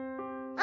「あ！」